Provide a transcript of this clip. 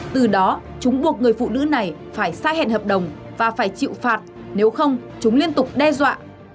từ đó chúng buộc người phụ nữ này phải xa hẹn hợp đồng và phải chịu phạt nếu không chúng liên tục đe dọa